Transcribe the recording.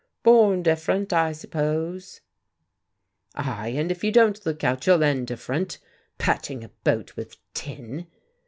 "Born different, I suppose." "Ay, and if you don't look out you'll end different. Patching a boat with tin!"